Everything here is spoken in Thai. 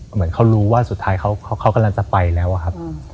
เหมือนเขารู้ว่าสุดท้ายเขากำลังจะไปแล้วอะครับ